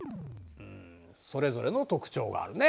それぞれの特徴があるね。